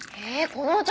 このお茶